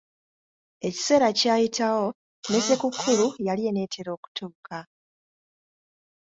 Ekiseera kyayitawo, ne ssekukkulu yali eneetera okutuuka.